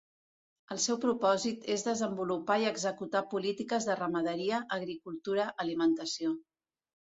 El seu propòsit és desenvolupar i executar polítiques de ramaderia, agricultura, alimentació.